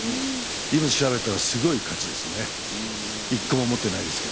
今調べたらすごい価値ですね。